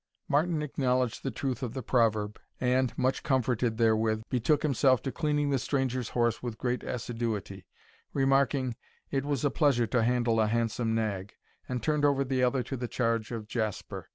Martin acknowledged the truth of the proverb, and, much comforted therewith, betook himself to cleaning the stranger's horse with great assiduity, remarking, it was a pleasure to handle a handsome nag, and turned over the other to the charge of Jasper.